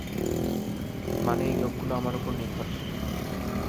মানে, এই লোকগুলো আমার উপর নির্ভরশীল।